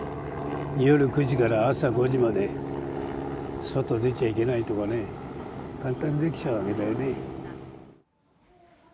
夜９時から朝５時まで、外出ちゃいけないとかね、簡単にできちゃうわけだよね。